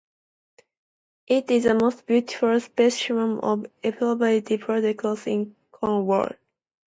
It is the most beautiful specimen of an elaborately decorated cross in Cornwall.